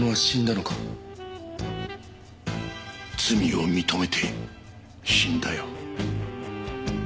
罪を認めて死んだよ。